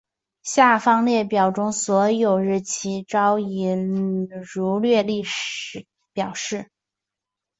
下方列表中所有日期皆以儒略历表示。